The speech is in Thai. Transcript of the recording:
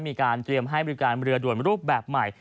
มีการเตรียมให้บริการเรือด่วนรูปแบบใหม่